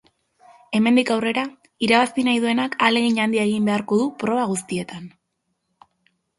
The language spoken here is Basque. Hemendik aurrera, irabazi nahi duenak ahalegin handia egin beharko du proba guztietan.